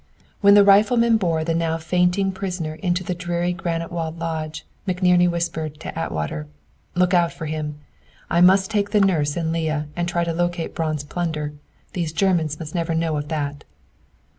When the riflemen bore the now fainting prisoner into the dreary granite walled lodge, McNerney whispered to Atwater, "Look out for him! I must take the nurse and Leah, and try to locate Braun's plunder. These Germans must never know of that."